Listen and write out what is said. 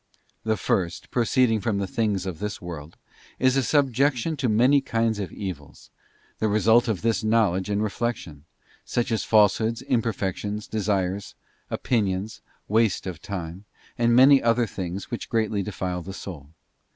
The first, proceeding from the things of this world, is a subjection to many kinds of evils, the result of this know ledge and reflection, such as falsehoods, imperfections, desires, opinions, waste of time, and many other things which greatly defile the soul.